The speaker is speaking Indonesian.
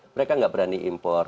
mereka nggak berani impor